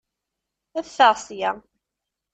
Ffeɣ ssya!